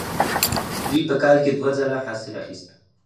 دوی په کال کې دوه ځله حاصل اخیست.